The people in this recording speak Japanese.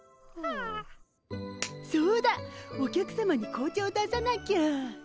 そうだお客さまに紅茶を出さなきゃ。